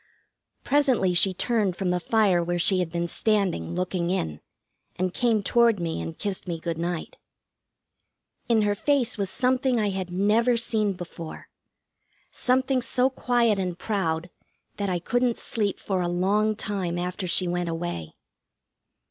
Presently she turned from the fire where she had been standing, looking in, and came toward me and kissed me good night. In her face was something I had never seen before something so quiet and proud that I couldn't sleep for a long time after she went away.